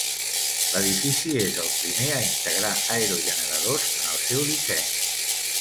L'edifici és el primer a integrar aerogeneradors en el seu disseny.